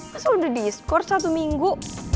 masa udah diskors satu minggu